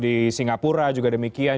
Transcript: di singapura juga demikian